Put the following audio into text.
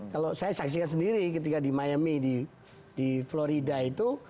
kalau saya saksikan sendiri ketika di miami di florida itu